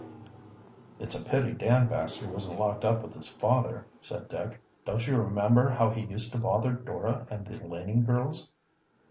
"It's a pity Dan Baxter wasn't locked up with his father," said Dick. "Don't you remember how he used to bother Dora and the Laning girls?"